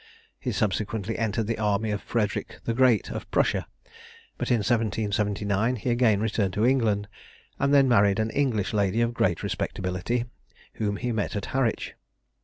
He subsequently entered the army of Frederic the Great of Prussia; but in 1779 he again returned to England, and then married an English lady of great respectability, whom he met at Harwich.